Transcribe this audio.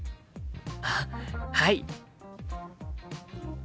あっはい。